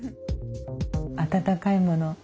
温かいものお茶